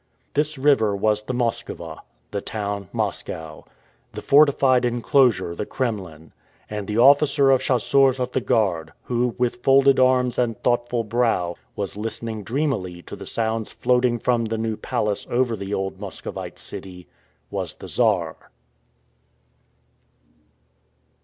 This river was the Moskowa; the town Moscow; the fortified inclosure the Kremlin; and the officer of chasseurs of the guard, who, with folded arms and thoughtful brow, was listening dreamily to the sounds floating from the New Palace over the old Muscovite city, was the Czar.